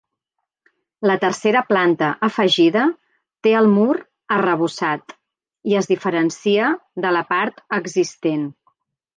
La tercera planta afegida té el mur arrebossat i es diferencia de la part existent.